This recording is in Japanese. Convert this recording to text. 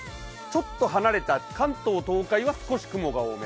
ちょっと離れた関東、東海は雲が多め。